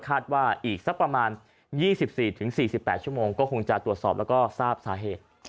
อีกสักประมาณ๒๔๔๘ชั่วโมงก็คงจะตรวจสอบแล้วก็ทราบสาเหตุ